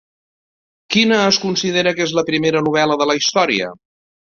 Quina es considera que és la primera novel·la de la història?